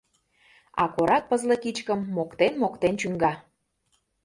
А корак пызле кичкым моктен-моктен чӱҥга: